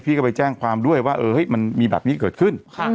ก็ไปแจ้งความด้วยว่ามันมีแบบนี้เกิดขึ้น